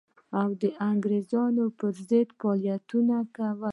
او د انګرېزانو پر ضد فعالیتونه کوي.